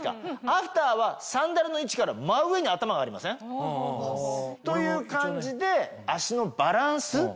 アフターはサンダルの位置から真上に頭がありません？という感じで。